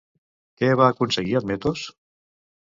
Què va aconseguir Admetos?